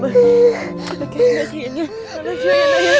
mama jangan lagi